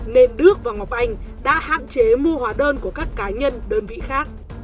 nên đức và ngọc anh đã hạn chế mua hóa đơn của các cá nhân đơn vị khác